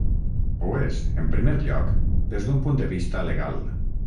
Ho és, en primer lloc, des d’un punt de vista legal.